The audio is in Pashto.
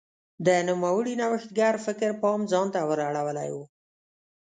د نوموړي نوښتګر فکر پام ځان ته ور اړولی و.